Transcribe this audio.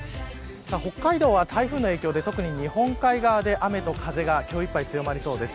北海道は台風の影響で特に日本海側で雨と風が今日いっぱい強まりそうです。